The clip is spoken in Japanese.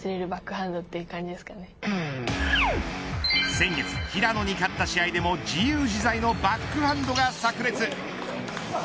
先月、平野に勝った試合でも自由自在のバックハンドがさく裂。